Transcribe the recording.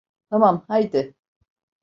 Tamam, haydi.